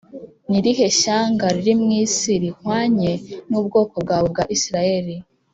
Ni irihe shyanga riri mu isi rihwanye n’ubwoko bwawe bwa Isirayeli?